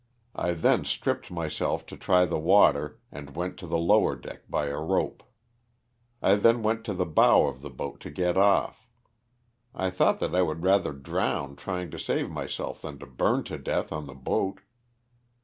I then stripped myself to try the water and went to the lower deck by a rope. I then went to the bow of the boat to get off. I thought that I would rather drown trying to save myself than to burn to death on the boat.